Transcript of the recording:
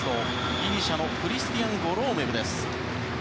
ギリシャのクリスティアン・ゴロメーブ。